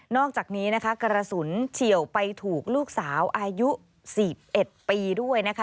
อกจากนี้นะคะกระสุนเฉียวไปถูกลูกสาวอายุ๔๑ปีด้วยนะคะ